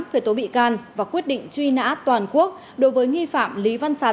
khởi tố bị can và quyết định truy nã toàn quốc đối với nghi phạm lý văn sắn